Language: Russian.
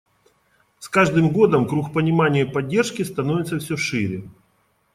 С каждым годом круг понимания и поддержки становится все шире.